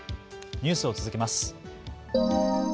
ニュースを続けます。